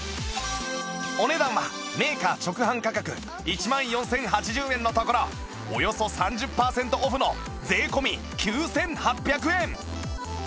お値段はメーカー直販価格１万４０８０円のところおよそ３０パーセントオフの税込９８００円